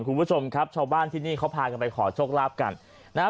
คุณผู้ชมครับชาวบ้านที่นี่เขาพากันไปขอโชคลาภกันนะฮะ